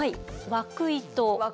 枠糸。